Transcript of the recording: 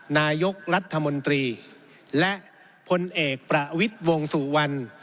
นายกรัฐมนตรีและพลเอกประวิทย์วงสุวรรณ